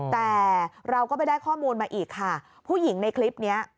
แต่เราก็ไปได้ข้อมูลมาอีกค่ะผู้หญิงในคลิปนี้